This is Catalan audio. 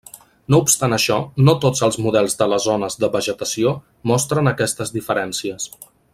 No obstant això, no tots els models de les zones de vegetació mostren aquestes diferències.